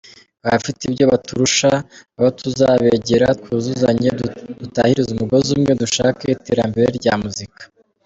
Hari abafite ibyo baturusha, abo tuzabegera twuzuzanye, dutahirize umugozi umwe , dushaka iterambere rya muzika.